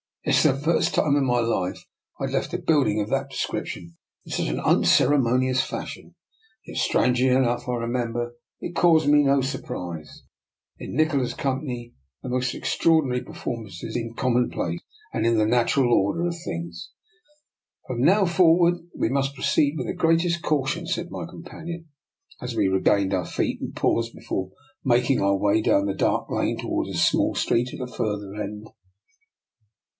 It was the first time in my life I had left a building of that descrip tion in such an unceremonious fashion, yet, strangely enough, I remember, it caused me no surprise. In Nikola's company the most, extraordinary performances seemed common place, and in the natural order of things. " From now forward we must proceed with the greatest caution/' said my compan 144 ^^ NIKOLA'S EXPERIMENT. ion, as we regained our feet and paused before making our way down the dark lane toward a small street at the farther end.